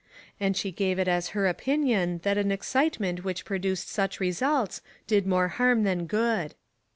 And she gave it as her opinion that an excitement which produced such results did more harm than good."